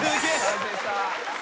完成した。